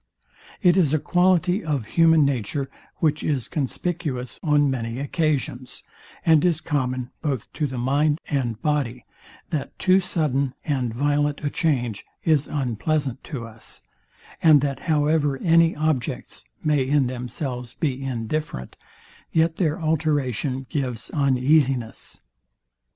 It is a quality of human nature, which is conspicuous on many occasions, and is common both to the mind and body, that too sudden and violent a change is unpleasant to us, and that however any objects may in themselves be indifferent, yet their alteration gives uneasiness.